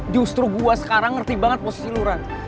justru gue sekarang ngerti banget posisi lo run